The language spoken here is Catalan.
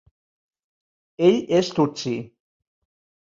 Ell és tutsi.